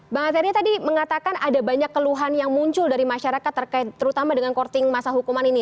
bang arteria tadi mengatakan ada banyak keluhan yang muncul dari masyarakat terutama dengan korting masa hukuman ini